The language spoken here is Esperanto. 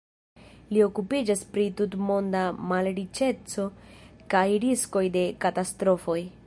Li okupiĝas pri tutmonda malriĉeco kaj riskoj de katastrofoj.